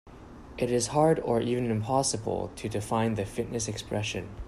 It is hard or even impossible to define the fitness expression.